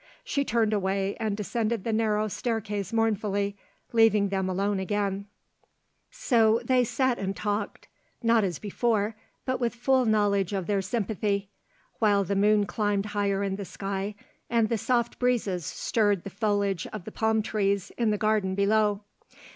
She turned away and descended the narrow staircase mournfully, leaving them again alone. So they sat and talked, not as before, but with full knowledge of their sympathy, while the moon climbed higher in the sky and the soft breezes stirred the foliage of the palm trees in the garden below.